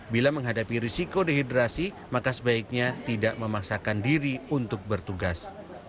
bila menghadapi risiko dehidrasi maka sebaiknya tidak memaksakan diri untuk bertugas